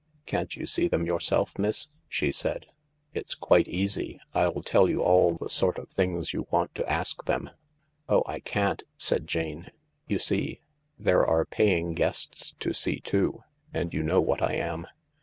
" Can't you see them yourself, miss ?" she said. " It's quite easy. I'll tell you all the sort of things you want to ask them." " Oh, I can't," said Jane. " You see, there are paying guests to see too — and you know what I am.